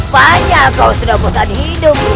kau tak tahu juga ada hayat ni